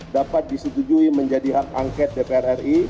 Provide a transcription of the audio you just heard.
dapat disetujui menjadi hak angket dpr ri